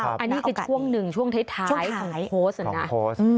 อันนี้คือช่วงนึงช่วงท้ายของโพสต์